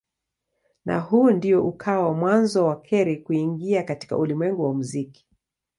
Na huu ndio ukawa mwanzo wa Carey kuingia katika ulimwengu wa muziki.